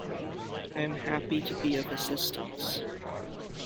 I am happy to be of assistance